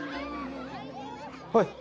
はい。